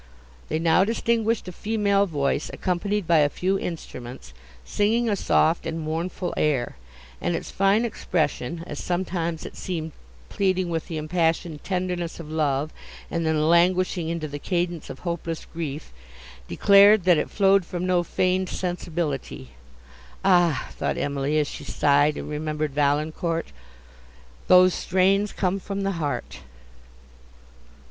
They now distinguished a female voice, accompanied by a few instruments, singing a soft and mournful air; and its fine expression, as sometimes it seemed pleading with the impassioned tenderness of love, and then languishing into the cadence of hopeless grief, declared, that it flowed from no feigned sensibility. Ah! thought Emily, as she sighed and remembered Valancourt, those strains come from the heart!